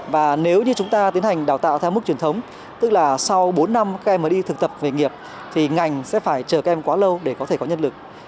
và nếu như chúng ta tiến hành đào tạo theo mức truyền thống tức là sau bốn năm các em mới đi thực tập về nghiệp thì ngành sẽ phải chờ các em quá lâu để có thể có nhân lực